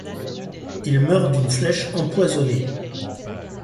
Il meurt d'une flèche empoisonnée.